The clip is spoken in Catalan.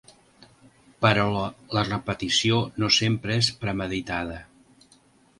Però la repetició no sempre és premeditada.